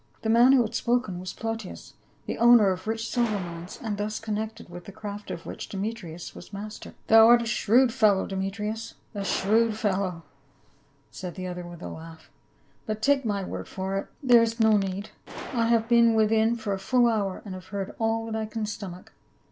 The man who had spoken \\as Plautius, the owner of rich siKcr mines, and thus connected with the craft of which Demetrius was master. "Thou art a shrewd fellow, Demetrius, a shrewd fellow," said the other with a laugh, "but take ni) A BUSINESS MAN OF EPITESUS 361 word for it there is no need ; I have been within for a full hour and have heard all that I can stomach.